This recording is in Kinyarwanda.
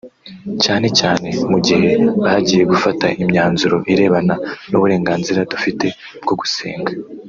’ cyane cyane mu gihe bagiye gufata imyanzuro irebana n’uburenganzira dufite bwo gusenga